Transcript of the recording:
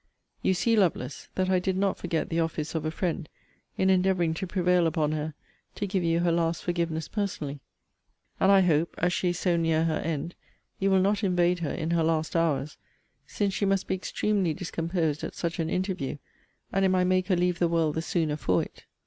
You see, Lovelace, that I did not forget the office of a friend, in endeavouring to prevail upon her to give you her last forgiveness personally. And I hope, as she is so near her end, you will not invade her in her last hours; since she must be extremely discomposed at such an interview; and it might make her leave the world the sooner for it.